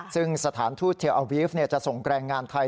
ซึ่งสถานทูตเทลอาวีฟจะส่งแรงงานไทย